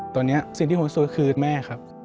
ตอนนี้สิ่งที่ผมสวยคือแม่ครับ